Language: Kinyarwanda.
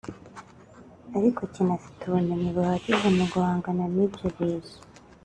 ariko kinafite ubumenyi buhagije mu guhangana n’ibyo biza